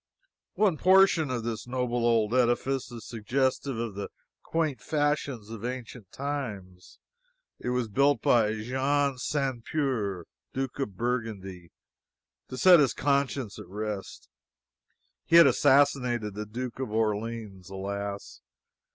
One portion of this noble old edifice is suggestive of the quaint fashions of ancient times. It was built by Jean Sans Peur, Duke of Burgundy, to set his conscience at rest he had assassinated the Duke of Orleans. Alas!